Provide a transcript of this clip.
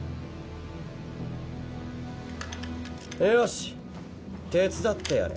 よし手伝ってやれ。